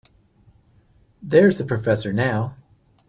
There's the professor now.